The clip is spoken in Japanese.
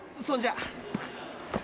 そんじゃ。